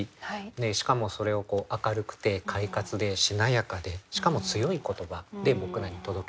しかもそれを明るくて快活でしなやかでしかも強い言葉で僕らに届けてくれる詩人だと思いますね。